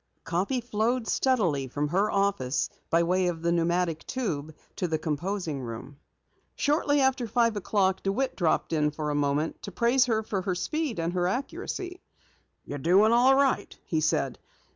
Copy flowed steadily from her office by way of the pneumatic tube to the composing room. Shortly after five o'clock, DeWitt dropped in for a moment to praise her for her speed and accuracy. "You're doing all right," he said.